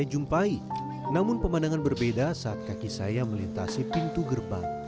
saya jumpai namun pemandangan berbeda saat kaki saya melintasi pintu gerbang